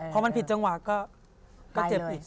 พอมันผิดจังหวะก็เจ็บอีก